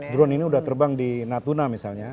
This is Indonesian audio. drone ini sudah terbang di natuna misalnya